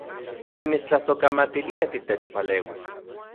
Nimitstlasojkamatilia titechpaleuis